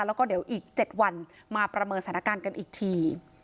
แล้วก็เดี๋ยวอีก๗วันมาประเมินสถานการณ์กันอีกที